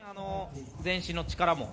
全身の力も。